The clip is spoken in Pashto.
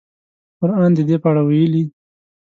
قران د دې په اړه ویلي.